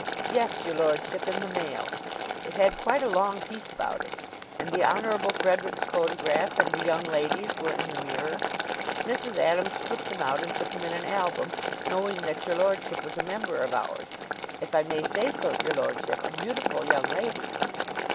"Yes, your lordship, in the Mail. It had quite a long piece about it. And the Honorable Frederick's photograph and the young lady's were in the Mirror. Mrs. Adams clipped them out and put them in an album, knowing that your lordship was a member of ours. If I may say so, your lordship a beautiful young lady."